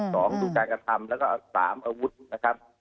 สองดูการกระทำแล้วก็สามอาวุธนะครับ